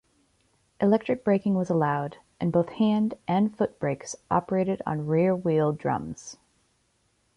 Electric braking was allowed, and both hand- and foot-brakes operated on rear wheel drums.